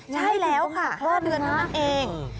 ใช่แล้วค่ะ๕เดือนเท่านั้นเอง